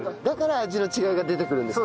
だから味の違いが出てくる。